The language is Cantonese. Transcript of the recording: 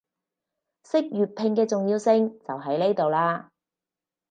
識粵拼嘅重要性就喺呢度喇